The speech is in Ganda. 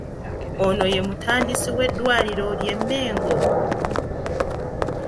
Ono ye mutandisi w’eddwaliro ly’e Mengo?